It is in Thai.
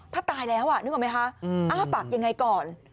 ถ้าตายแล้วนึกออกไหมคะอ้าปากยังไงก่อน